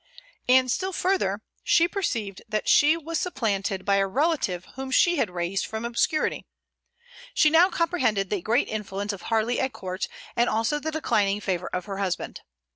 And, still further, she perceived that she was supplanted by a relative whom she had raised from obscurity. She now comprehended the great influence of Harley at court, and also the declining favor of her husband.